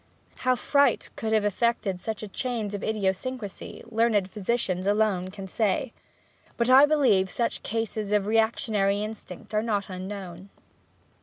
How fright could have effected such a change of idiosyncrasy learned physicians alone can say; but I believe such cases of reactionary instinct are not unknown.